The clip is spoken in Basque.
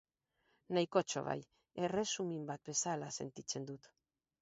Nahikotxo bai... erresumin bat bezala sentitzen dut...